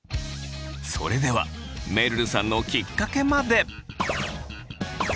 それではめるるさんのきっかけまで。